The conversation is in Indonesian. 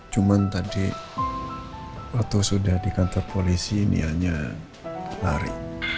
cuman tadi waktu sudah di kantor polisi nia nya lari